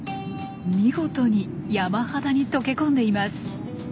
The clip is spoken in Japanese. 見事に山肌に溶け込んでいます！